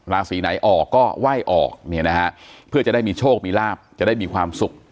ราศีไหนออกก็ไหว้ออกเนี่ยนะฮะเพื่อจะได้มีโชคมีลาบจะได้มีความสุข